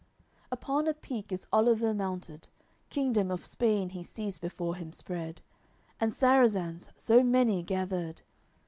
LXXXI Upon a peak is Oliver mounted, Kingdom of Spain he sees before him spread, And Sarrazins, so many gathered.